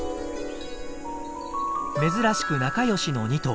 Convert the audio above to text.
珍しく仲良しの２頭。